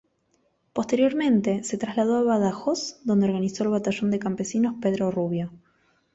Posteriormente se trasladó a Badajoz donde organizó el batallón de campesinos "Pedro Rubio".